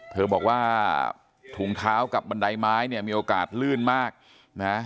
เธอบอกว่าถุงเท้ากับบันไดไม้เนี่ยมีโอกาสลื่นมากนะ